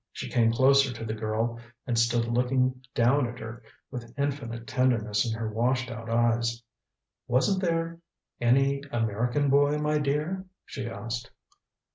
She came closer to the girl, and stood looking down at her with infinite tenderness in her washed out eyes. "Wasn't there any American boy, my dear?" she asked.